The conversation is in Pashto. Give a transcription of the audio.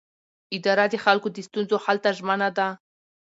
اداره د خلکو د ستونزو حل ته ژمنه ده.